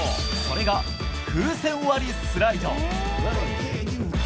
それが、風船割りスライド。